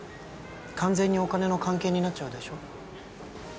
完全にお金の関係になっちゃうでしょ？